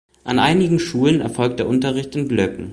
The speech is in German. An einigen Schulen erfolgt der Unterricht in Blöcken.